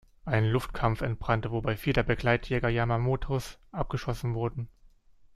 Ein Luftkampf entbrannte, wobei vier der Begleitjäger Yamamotos abgeschossen wurden.